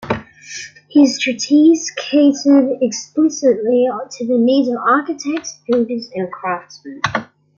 His treatise catered explicitly to the needs of architects, builders, and craftsmen.